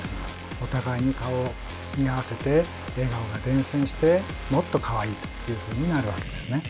お互いに顔を見合わせて笑顔が伝染してもっとかわいいというふうになるわけですね。